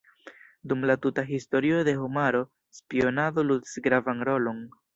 Dum la tuta Historio de homaro spionado ludis gravan rolon.